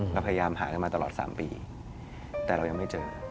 เราพยายามหากันมาตลอด๓ปีแต่เรายังไม่เจอ